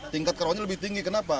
tingkat kerawannya lebih tinggi kenapa